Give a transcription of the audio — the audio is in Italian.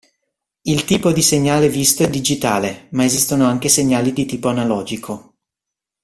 Il tipo di segnale visto è digitale, ma esistono anche segnali di tipo analogico.